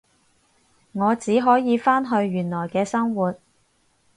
我只可以返去原本嘅生活